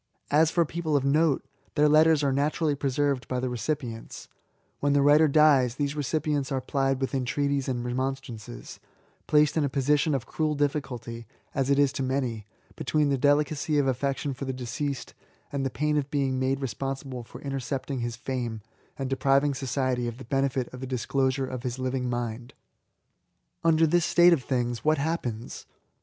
As for people of note« — ^their letters are naturally preserved by the recipients : when the writer dies, these recipients are plied with entreaties and remonstrances, — ^placed in a posi tion of cruel difficulty (as it is to many) between their delicacy of affection for the deceased, and the pain of being made responsible for intercept ing his fame, and depriving society of the benefit of the disclosure of his living mind. Under this state of things, what happens?